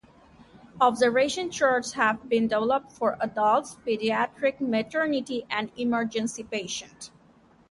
Observation charts have been developed for Adult, Paediatric, Maternity and Emergency patients.